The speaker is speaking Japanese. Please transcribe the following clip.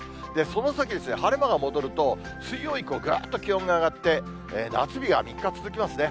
その先ですね、晴れ間が戻ると、水曜以降、ぐっと気温が上がって、夏日が３日続きますね。